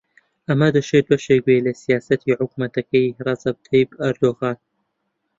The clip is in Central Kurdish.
ئەمە دەشێت بەشێک بێت لە سیاسەتی حکوومەتەکەی ڕەجەب تەیب ئەردۆغان